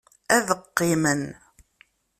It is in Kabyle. Ad qqimen.